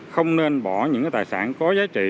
không nên bỏ những tài sản có giá trị